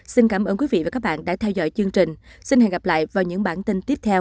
xin cảm ơn quý vị và các bạn đã theo dõi chương trình xin hẹn gặp lại vào những bản tin tiếp theo